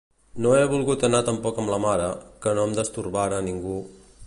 No he volgut anar tampoc amb la mare, que no em destorbara ningú...